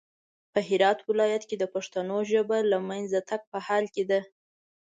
په هرات ولايت کې د پښتنو ژبه د لمېنځه تګ په حال کې ده